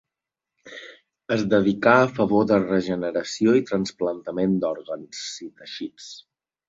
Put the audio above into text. Es dedicà a favor de regeneració i trasplantament d'òrgans i teixits.